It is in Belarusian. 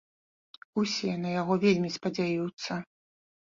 Усе на яго вельмі спадзяюцца.